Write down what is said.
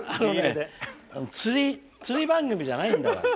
釣り釣り番組じゃないんだから。